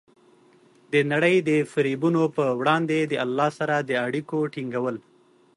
د نړۍ د فریبونو په وړاندې د الله سره د اړیکو ټینګول.